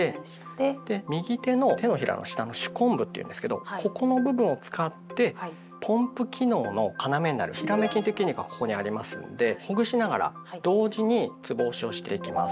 右手の手のひらの下の手根部っていうんですけどここの部分を使ってポンプ機能の要になるヒラメ筋っていう筋肉がここにありますんでほぐしながら同時につぼ押しをしていきます。